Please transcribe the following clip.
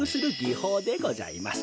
ほうでございます。